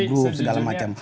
grup segala macam